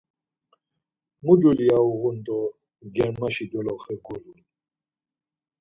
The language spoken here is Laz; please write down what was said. Mu dulya uğun do germaşi doloxe gulun?